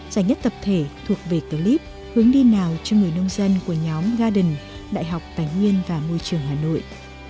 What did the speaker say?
giải nhất tập thể thuộc về clip hướng đi nào cho người nông dân của nhóm garden đại học tài nguyên và môi trường hà nội